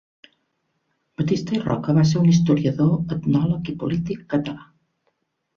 Batista i Roca va ser un historiador, etnòleg i polític català.